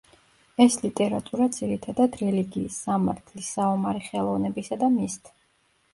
ეს ლიტერატურა ძირითადად რელიგიის, სამართლის, საომარი ხელოვნებისა და მისთ.